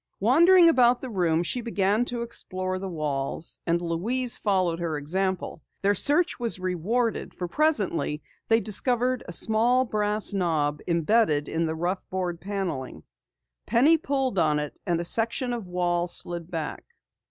Wandering about the room she began to explore the walls, and Louise followed her example. Their search was rewarded, for presently they discovered a small brass knob embedded in the rough board paneling. Penny pulled on it and a section of wall slid back.